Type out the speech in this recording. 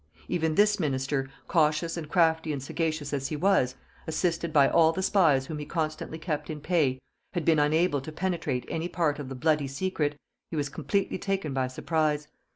Even this minister, cautious and crafty and sagacious as he was, assisted by all the spies whom he constantly kept in pay, had been unable to penetrate any part of the bloody secret; he was completely taken by surprise.